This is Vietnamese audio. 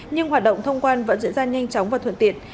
nhưng hoạt động thông quan vẫn diễn ra nhanh chóng và thuận tiện